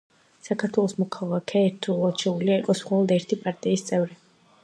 საქართველოს მოქალაქე ერთდროულად შეიძლება იყოს მხოლოდ ერთი პარტიის წევრი.